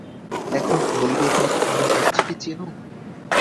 এখন বলবে তার পুরো গোষ্ঠীকে চেনো?